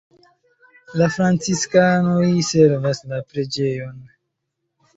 La franciskanoj servas la preĝejon.